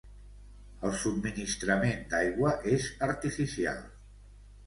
El subministrament d'aigua és artificial.